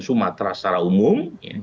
sumatera secara umum